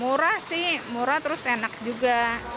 murah sih murah terus enak juga